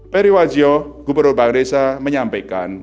periwajjo gubernur bangladesh menyampaikan